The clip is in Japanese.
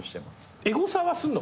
エゴサはすんの？